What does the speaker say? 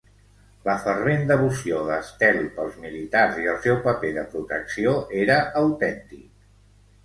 La fervent devoció de Stelle pels militars i el seu paper de protecció era autèntic.